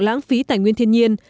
lãng phí tài nguyên thiên nhiên